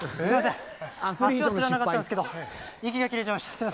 足はつらなかったんですけど息が切れちゃいました。